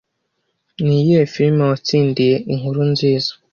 Niyihe firime yatsindiye inkuru nziza